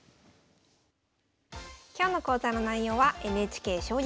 今日の講座の内容はＮＨＫ「将棋講座」テキスト